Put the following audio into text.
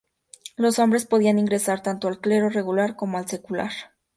Los hombres podían ingresar tanto al clero regular como al secular.